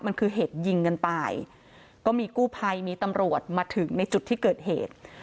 มันคือเหตุยิงกันตายก็มีกู้ภัยมีตำรวจมาถึงในจุดที่เกิดเหตุ